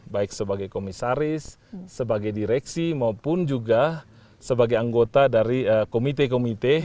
baik sebagai komisaris sebagai direksi maupun juga sebagai anggota dari komite komite